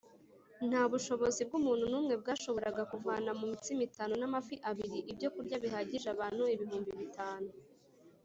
nta bushobozi bw’umuntu n’umwe bwashoboraga kuvana mu mitsima itanu n’amafi abiri ibyokurya bihagije abantu ibihumbi bitanu